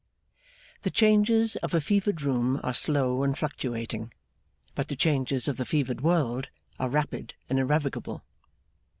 The changes of a fevered room are slow and fluctuating; but the changes of the fevered world are rapid and irrevocable.